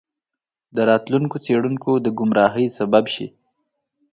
د راتلونکو څیړونکو د ګمراهۍ سبب شي.